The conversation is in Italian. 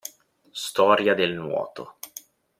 Storia del nuoto.